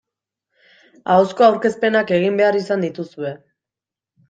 Ahozko aurkezpenak egin behar izan dituzue.